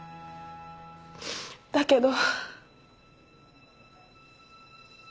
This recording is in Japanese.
だけど。